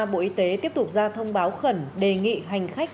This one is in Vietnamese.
bộ y tế tiếp tục ra thông báo khẩn đề nghị hành khách